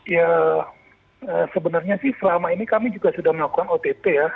ya sebenarnya sih selama ini kami juga sudah melakukan ott ya